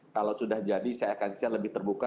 kalau sudah jadi saya akan kasihan lebih terbuka